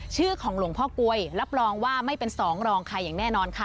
ชื่อของหลวงพ่อกลวยรับรองว่าไม่เป็นสองรองใครอย่างแน่นอนค่ะ